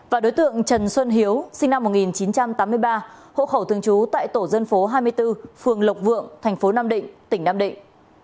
và đối tượng trần xuân hiếu sinh năm một nghìn chín trăm tám mươi ba hộ khẩu thường trú tại tổ dân phố hai mươi bốn phường lộc vượng thành phố nam định tỉnh nam định